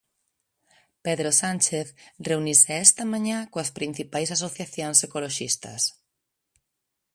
Pedro Sánchez reunise esta mañá coas principais asociacións ecoloxistas.